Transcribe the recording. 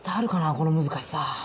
この難しさ。